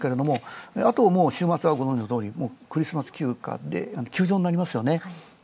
あともう週末はご存知のとおり、クリスマス休暇で休場になりますね。